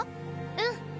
うん。